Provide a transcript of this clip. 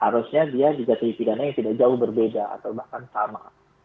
harusnya dia dijatuhi pidana yang tidak jauh berbeda atau bahkan sama